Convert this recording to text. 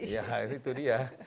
ya itu dia